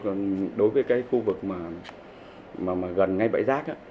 còn đối với cái khu vực mà gần ngay bãi rác